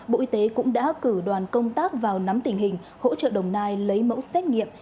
bộ y tế cũng đã cử đoàn công tác vào nắm tình hình hỗ trợ đồng nai lấy mẫu xét nghiệm